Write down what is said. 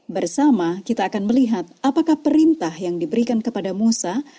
bersama kita akan melihat apakah perintah yang diberikan kepada musa